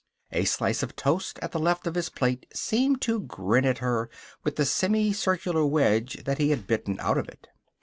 A slice of toast at the left of his plate seemed to grin at her with the semi circular wedge that he had bitten out of it.